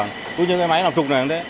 tức là những cái máy làm trục này cũng thế